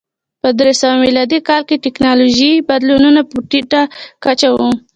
په درې سوه میلادي کال کې ټکنالوژیکي بدلونونه په ټیټه کچه و.